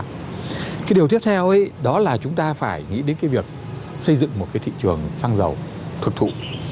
cái điều tiếp theo đó là chúng ta phải nghĩ đến việc xây dựng một thị trường xăng dầu thực thụ